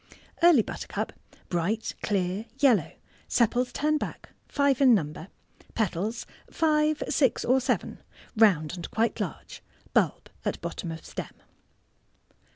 Early Buttercup.— Bright, clear yellow sepals turn back— five in number— petals five, six, or seven— round and quite large— bulb at bottom of stem.